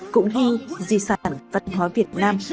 cũng như di sản văn hóa việt nam